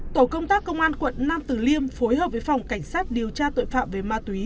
tổ công tác công an quận nam tử liêm phối hợp với phòng cảnh sát điều tra tội phạm về ma túy